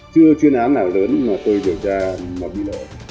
chưa chuyên án nào lớn mà tôi điều tra mà bị lộ